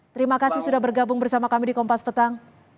terima kasih sudah bergabung bersama kami di kompas petang